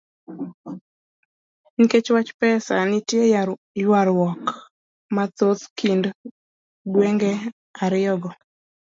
Nikech wach pesa, nitie ywaruok mathoth kind gwenge ariyogo.